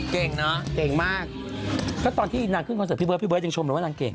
เก่งเนอะเก่งมากก็ตอนที่นางขึ้นคอนเสิร์ตพี่เบิร์พี่เบิร์ยังชมเลยว่านางเก่ง